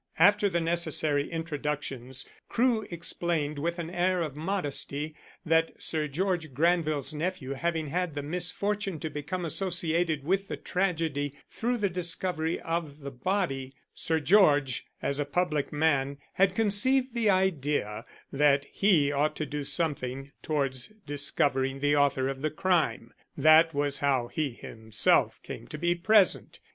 After the necessary introductions Crewe explained with an air of modesty that, Sir George Granville's nephew having had the misfortune to become associated with the tragedy through the discovery of the body, Sir George, as a public man, had conceived the idea that he ought to do something towards discovering the author of the crime. That was how he himself came to be present.